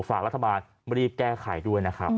ฝากรัฐบาลรีบแก้ไขด้วยนะครับ